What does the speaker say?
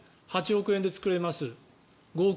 ５億円で作れます。